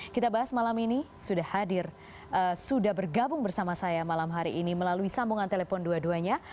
kita bahas malam ini sudah hadir sudah bergabung bersama saya malam hari ini melalui sambungan telepon dua duanya